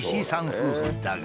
夫婦だが。